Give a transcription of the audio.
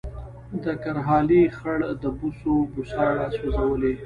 د کرهالې خړ د بوسو بوساړه سوځولې